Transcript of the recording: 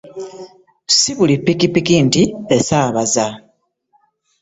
Si buli ppikipiki nti esaabaza.